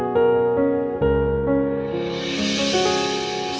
kalian kalian bersama eh